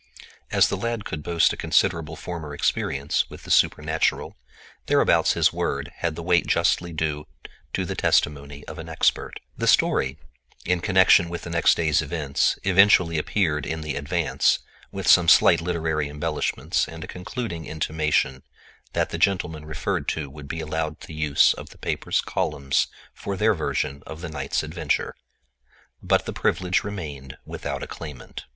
As the lad could boast a considerable former experience with the supernatural thereabouts his word had the weight justly due to the testimony of an expert. The story (in connection with the next day's events) eventually appeared in the Advance, with some slight literary embellishments and a concluding intimation that the gentlemen referred to would be allowed the use of the paper's columns for their version of the night's adventure. But the privilege remained without a claimant.